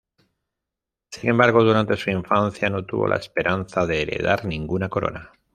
Sin embargo, durante su infancia no tuvo la esperanza de heredar ninguna corona.